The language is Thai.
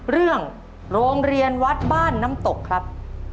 เรื่องโรงเรียนวัดบ้านน้ำตกครับ